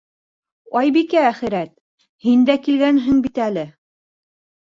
- Айбикә әхирәт, һин дә килгәнһең бит әле.